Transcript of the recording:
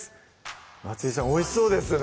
松井さんおいしそうですね